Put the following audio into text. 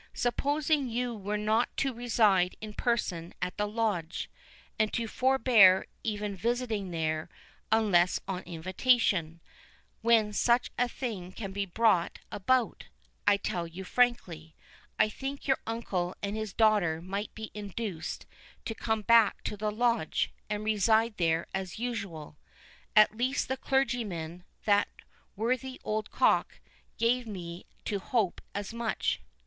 Supposing you were not to reside in person at the Lodge, and to forbear even visiting there, unless on invitation, when such a thing can be brought about, I tell you frankly, I think your uncle and his daughter might be induced to come back to the Lodge, and reside there as usual. At least the clergyman, that worthy old cock, gave me to hope as much."